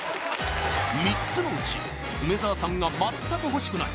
３つのうち梅沢さんが全く欲しくない